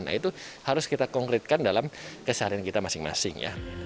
nah itu harus kita konkretkan dalam keseharian kita masing masing ya